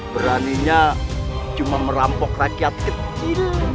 beraninya cuma merampok rakyat kecil